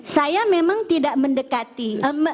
saya memang tidak mendekati